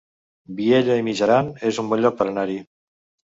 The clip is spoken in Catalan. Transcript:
Vielha e Mijaran es un bon lloc per anar-hi